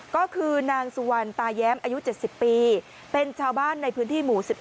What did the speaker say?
ก็คือนางสุวรรณตาแย้มอายุ๗๐ปีเป็นชาวบ้านในพื้นที่หมู่๑๑